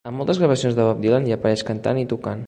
A moltes gravacions de Bob Dylan hi apareix cantant i tocant.